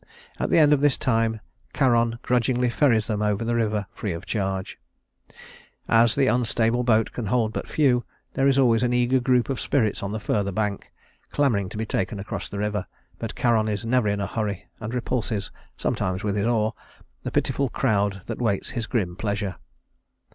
At the end of this time Charon grudgingly ferries them over the river free of charge. As the unstable boat can hold but few, there is always an eager group of spirits on the further bank, clamoring to be taken across the river; but Charon is never in a hurry, and repulses, sometimes with his oar, the pitiful crowd that waits his grim pleasure.